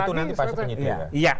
itu nanti pas penyidik